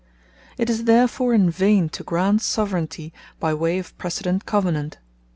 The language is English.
It is therefore in vain to grant Soveraignty by way of precedent Covenant.